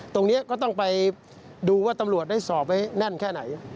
ตรงนี้ก็ต้องไปดูว่าตำรวจได้สอบไว้แน่นแค่ไหน